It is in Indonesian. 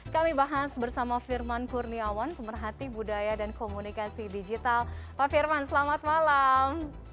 kami bahas bersama firman kurniawan pemerhati budaya dan komunikasi digital pak firman selamat malam